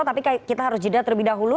tapi kita harus jeda terlebih dahulu